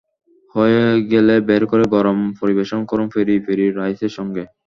হয়ে গেলে বের করে গরম-গরম পরিবেশন করুন পেরি পেরি রাইসের সঙ্গে।